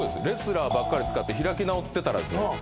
レスラーばっかり使って開き直ってたらですね